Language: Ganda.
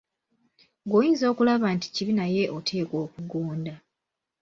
Ggwe oyinza okulaba nti kibi naye oteekwa okugonda.